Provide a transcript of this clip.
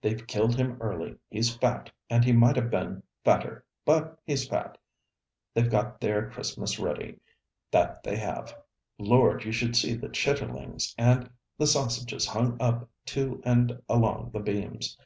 'They've killed him early. He 's fat; and he might ha' been fatter. But he's fat. They've got their Christmas ready, that they have. Lord! you should see the chitterlings, and the sausages hung up to and along the beams.